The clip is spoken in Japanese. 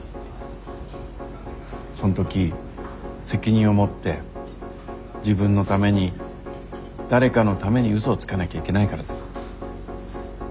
その時責任を持って自分のために誰かのために嘘をつかなきゃいけないからです。